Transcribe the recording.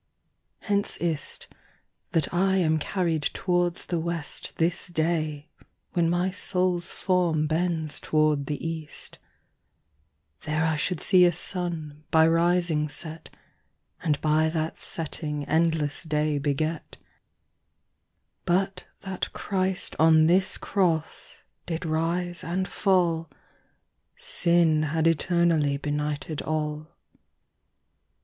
Hence is't, that I am carryed towards the WestThis day, when my Soules forme bends toward the East.There I should see a Sunne, by rising set, And by that setting endlesse day beget; But that Christ on this Crosse, did rise and fall, Sinne had eternally benighted all.